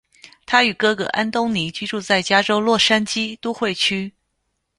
他与哥哥安东尼居住在加州洛杉矶都会区。